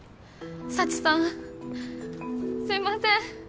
幸さんすいません。